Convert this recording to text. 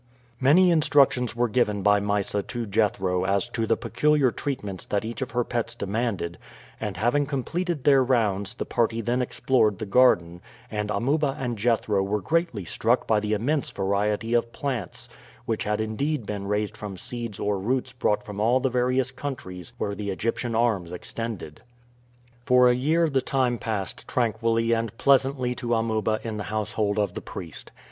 Many instructions were given by Mysa to Jethro as to the peculiar treatment that each of her pets demanded, and having completed their rounds the party then explored the garden, and Amuba and Jethro were greatly struck by the immense variety of plants, which had indeed been raised from seeds or roots brought from all the various countries where the Egyptian arms extended. For a year the time passed tranquilly and pleasantly to Amuba in the household of the priest.